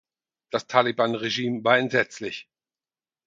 Das Taliban-Regime war entsetzlich.